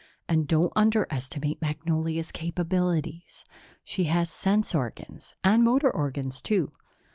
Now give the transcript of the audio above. "And don't underestimate Magnolia's capabilities. She has sense organs, and motor organs, too.